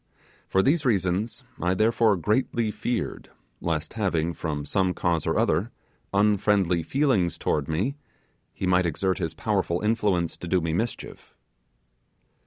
For these reasons, I therefore greatly feared lest having, from some cause or other, unfriendly feelings towards me, he might exert his powerful influence to do me mischief.